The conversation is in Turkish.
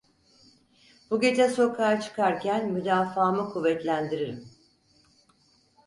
Bu gece sokağa çıkarken müdafaamı kuvvetlendiririm.